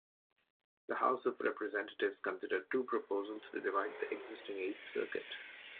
The House of Representatives considered two proposals to divide the existing Eighth Circuit.